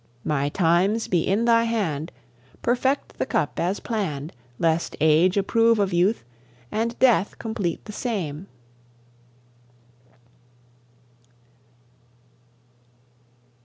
My times be in Thy hand! Perfect the cup as plann'd! Lest age approve of youth, and death complete the same!